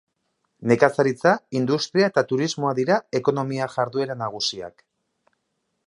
Nekazaritza, industria eta turismoa dira ekonomia jarduera nagusiak.